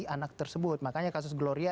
anak tersebut makanya kasus gloria